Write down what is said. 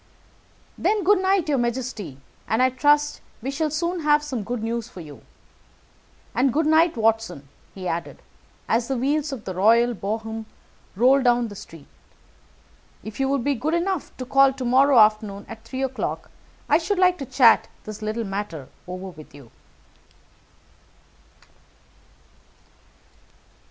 "Then, good night, your majesty, and I trust that we shall soon have some good news for you. And good night, Watson," he added, as the wheels of the royal brougham rolled down the street. "If you will be good enough to call to morrow afternoon, at three o'clock, I should like to chat this little matter over with you."